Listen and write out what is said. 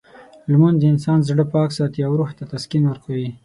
لمونځ د انسان زړه پاک ساتي او روح ته تسکین ورکوي.